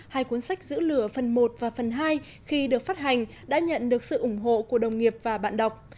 hai cuốn sách giữ lửa phần một và phần hai khi được phát hành đã nhận được sự ủng hộ của đồng nghiệp và bạn đọc